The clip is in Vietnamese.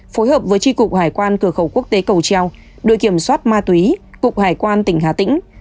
phối hợp với tri cục hải quan cửa khẩu quốc tế cầu treo đội kiểm soát ma túy cục hải quan tỉnh hà tĩnh